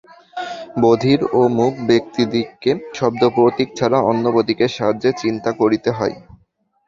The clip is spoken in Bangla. বধির ও মূক ব্যক্তিদিগকে শব্দপ্রতীক ছাড়া অন্য প্রতীকের সাহায্যে চিন্তা করিতে হয়।